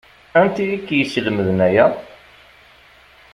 Anti i k-yeslemden aya?